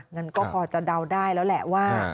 งั้นก็พอจะเดาได้แล้วแหละว่า